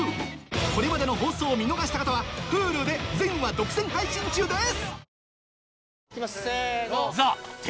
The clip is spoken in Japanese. これまでの放送を見逃した方はＨｕｌｕで全話独占配信中です